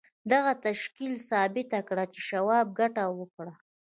دغه تشکیل ثابته کړه چې شواب ګټه وکړه